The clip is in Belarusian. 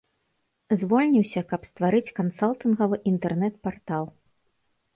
Звольніўся, каб стварыць кансалтынгавы інтэрнэт-партал.